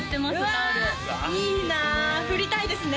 タオルうわいいな振りたいですね